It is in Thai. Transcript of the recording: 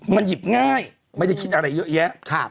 มันหยิบง่ายไม่ได้คิดอะไรเยอะแยะ